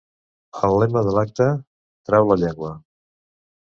El lema de l’acte, Trau la llengua!